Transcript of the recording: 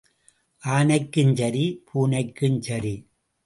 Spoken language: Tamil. ஆனைக்கும் சரி, பூனைக்கும் சரி.